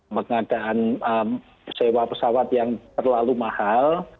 pengadaan sewa pesawat yang terlalu mahal